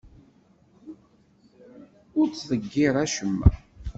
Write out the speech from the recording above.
Ur ttḍeyyir acemma.